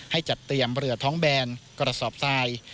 จัดเตรียมเรือท้องแบนกระสอบทราย